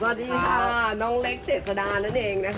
สวัสดีค่ะน้องเล็กเจษดานั่นเองนะคะ